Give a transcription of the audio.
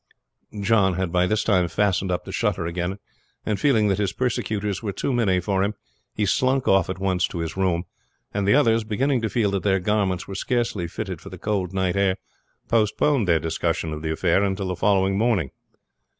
John had by this time fastened up the shutter again, and feeling that his persecutors were too many for him he slunk off at once to his room; and the others, beginning to feel that their garments were scarcely fitted for the cold night air postponed their discussion of the affair until the following morning.